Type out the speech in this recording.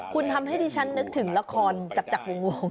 คุณทำให้ดิฉันนึกถึงละครจากวง